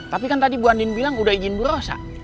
tapi kan tadi bu andien bilang udah izin berosa